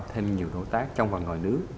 thêm nhiều đối tác trong và ngoài nước